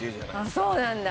あっそうなんだ。